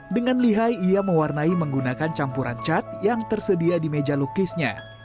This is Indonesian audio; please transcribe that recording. dengan lihai ia mewarnai menggunakan campuran cat yang tersedia di meja lukisnya